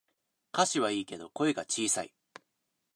歌詞はいいけど声が小さい